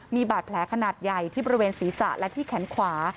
มีบาดแผลขนาดใหญ่ที่บริเวณศีรษะและที่แขนขวา